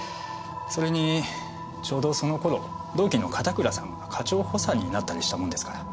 それにちょうどその頃同期の片倉さんが課長補佐になったりしたもんですから。